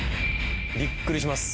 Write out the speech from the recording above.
びっくりします